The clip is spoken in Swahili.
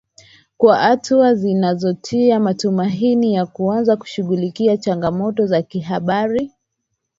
kwa hatua zinazotia matumaini ya kuanza kushughulikia changamoto za kihabari